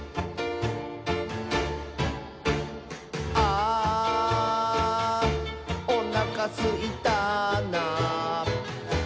「あーおなかすいたな」